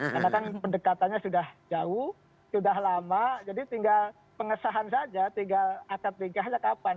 karena kan kedekatannya sudah jauh sudah lama jadi tinggal pengesahan saja tinggal akad mikahnya kapan